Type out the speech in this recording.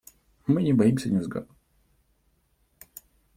Мы не боимся невзгод.